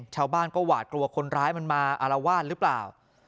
ชาวบ้านก็หวาดกลัวคนร้ายมันมาอารวาสหรือเปล่า